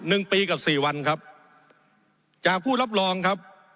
หนึ่งปีกับสี่วันครับจากผู้รับรองครับ